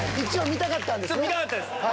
見たかったんです。